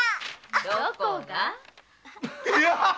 どこが？